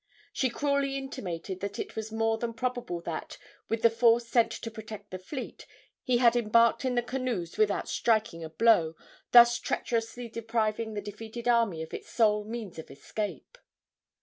She cruelly intimated that it was more than probable that, with the force sent to protect the fleet, he had embarked in the canoes without striking a blow, thus treacherously depriving the defeated army of its sole means of escape.